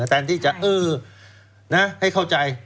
แทนที่จะเออนะให้เข้าใจ